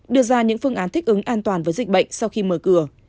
đưa ra những phương án thích ứng an toàn với dịch bệnh sau khi mở cửa